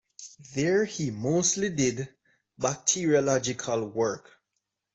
There he mostly did bacteriological work.